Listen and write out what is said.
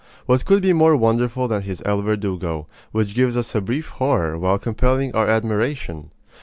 What could be more wonderful than his El Verdugo, which gives us a brief horror while compelling our admiration?